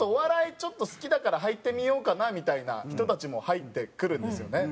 ちょっと好きだから入ってみようかなみたいな人たちも入ってくるんですよね。